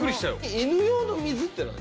犬用の水って何？